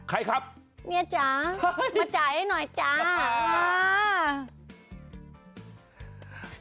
ใครครับเมียจ๋ามาจ่ายให้หน่อยจ้า